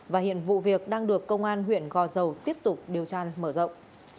và hiện vụ việc đang được công an huyện gò dầu tiếp tục điều tra mở rộng